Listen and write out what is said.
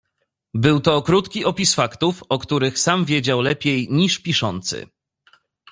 "Był to krótki opis faktów, o których sam wiedział lepiej, niż piszący."